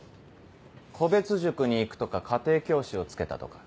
個別塾に行くとか家庭教師をつけたとか。